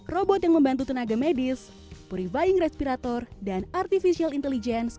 robot yang membantu tenaga medis purifying respirator dan artificial intelligence